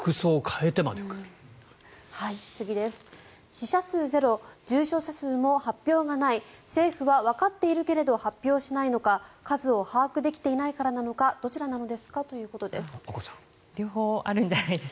死者数０重症者数も発表がない政府は、わかっているけれど発表しないのか数を把握できていないからなのかどちらなのですかということです。